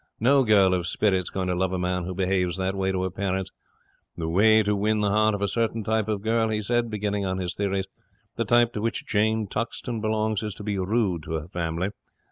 No girl of spirit's going to love a man who behaves that way to her parents. The way to win the heart of a certain type of girl," he says, beginning on his theories, "the type to which Jane Tuxton belongs, is to be rude to her family.